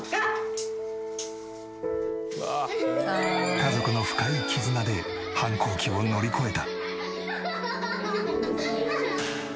家族の深い絆で反抗期を乗り越えた。